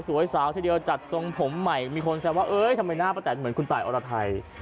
สาวทีเดียวจัดทรงผมใหม่มีคนแซวว่าเอ้ยทำไมหน้าป้าแตนเหมือนคุณตายอรไทย